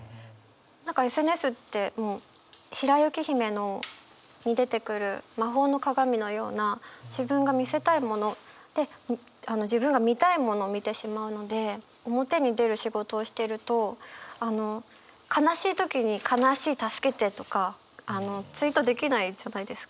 何かＳＮＳってもう「白雪姫」に出てくる魔法の鏡のような自分が見せたいもので自分が見たいものを見てしまうので表に出る仕事をしてるとあの悲しい時に「悲しい助けて」とかツイートできないじゃないですか。